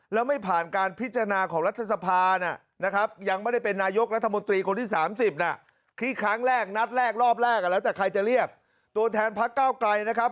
แล้วแต่ใครจะเรียกตัวแทนพักเก้าไกรนะครับ